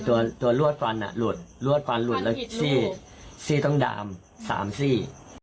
ตัวตัวลวดฟันอ่ะหลุดลวดฟันหลุดแล้วซี่ซี่ต้องดามสามซี่